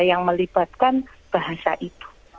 yang melibatkan bahasa ibu